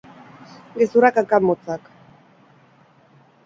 Gezurrak hankak motzak.